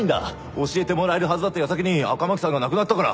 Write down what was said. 教えてもらえるはずだった矢先に赤巻さんが亡くなったから。